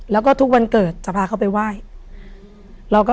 แล้วก็ทุกวันเกิดจะพาเขาไปไหว้